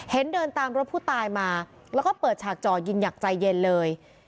เดินตามรถผู้ตายมาแล้วก็เปิดฉากจ่อยิงอย่างใจเย็นเลย